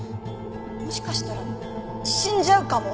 もしかしたら死んじゃうかも！